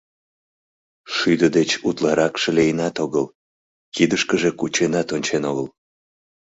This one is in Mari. Шӱдӧ деч утларакше лийынат огыл, кидышкыже кученат ончен огыл.